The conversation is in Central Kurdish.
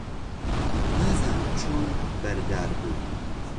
نازانم چۆن بەردرابوو.